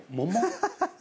ハハハハ！